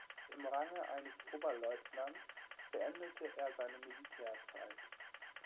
Im Range eines Oberleutnants beendete er seine Militärzeit.